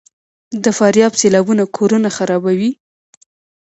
د فاریاب سیلابونه کورونه خرابوي؟